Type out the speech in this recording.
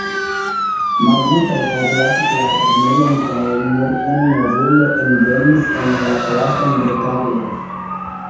Malmultaj forlasis la lernejon kaj nur unu novulo envenis en la klason de Karlo.